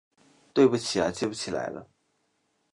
对不起啊记不起来了